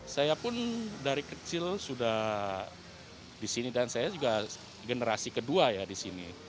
saya pun dari kecil sudah di sini dan saya juga generasi kedua ya di sini